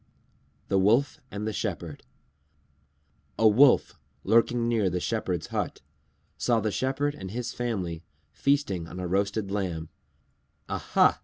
_ THE WOLF AND THE SHEPHERD A Wolf, lurking near the Shepherd's hut, saw the Shepherd and his family feasting on a roasted lamb. "Aha!"